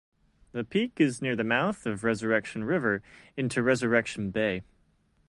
The peak is near the mouth of Resurrection River into Resurrection Bay.